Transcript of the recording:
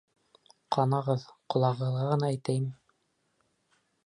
Ҡанағыҙ, ҡолағығыҙға ғына әйтәйем.